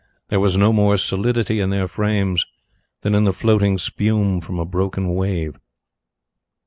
There was no more solidity in their frames than in the floating spume from a broken wave.